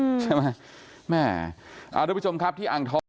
ใช่ไหมแม่อ่าทุกผู้ชมครับที่อ่างทอง